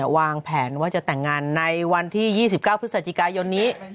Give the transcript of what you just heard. วางแผนว่าจะแต่งงานในวันที่๒๙พฤศจิกายนนี้